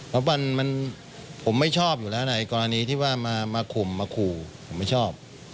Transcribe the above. เพราะมันผมไม่ชอบอยู่แล้วในกรณีที่ว่ามาข่มมาขู่ผมไม่ชอบ